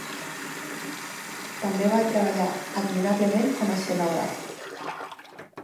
També va treballar admirablement com a escenògraf.